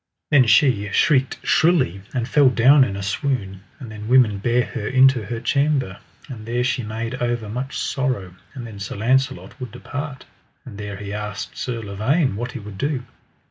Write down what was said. Then she shrieked shrilly, and fell down in a swoon; and then women bare her into her chamber, and there she made over much sorrow; and then Sir Launcelot would depart, and there he asked Sir Lavaine what he would do.